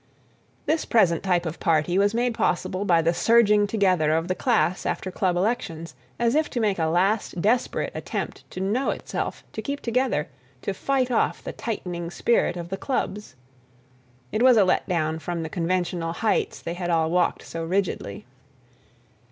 This present type of party was made possible by the surging together of the class after club elections—as if to make a last desperate attempt to know itself, to keep together, to fight off the tightening spirit of the clubs. It was a let down from the conventional heights they had all walked so rigidly.